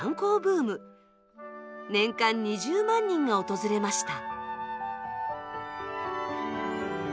年間２０万人が訪れました。